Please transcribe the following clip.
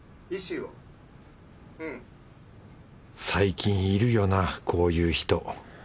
最近いるよなこういう人。